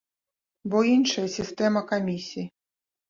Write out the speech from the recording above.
Бо іншая сістэма камісій.